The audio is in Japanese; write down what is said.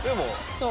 そう。